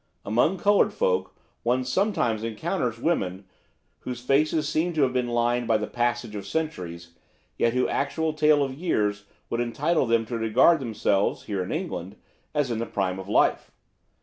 Among coloured folk one sometimes encounters women whose faces seem to have been lined by the passage of centuries, yet whose actual tale of years would entitle them to regard themselves, here in England, as in the prime of life.